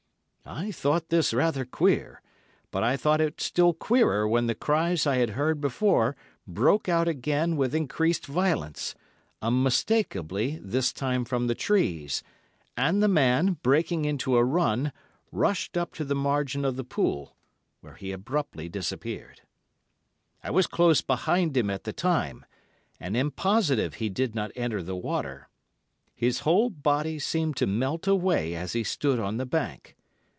I thought this rather queer, but I thought it still queerer when the cries I had heard before broke out again with increased violence, unmistakably this time from the trees, and the man, breaking into a run, rushed up to the margin of the pool, where he abruptly disappeared. I was close behind him at the time, and am positive he did not enter the water. His whole body seemed to melt away as he stood on the bank.